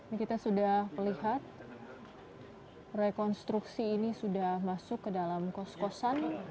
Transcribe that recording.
ini kita sudah melihat rekonstruksi ini sudah masuk ke dalam kos kosan